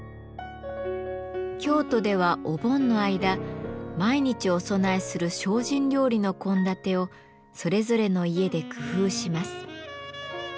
京都ではお盆の間毎日お供えする精進料理の献立をそれぞれの家で工夫します。